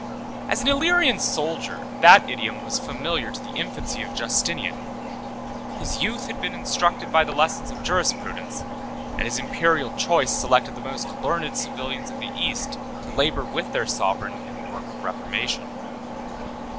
As an Illyrian soldier, that idiom was familiar to the infancy of Justinian; his youth had been instructed by the lessons of jurisprudence, and his Imperial choice selected the most learned civilians of the East, to labor with their sovereign in the work of reformation.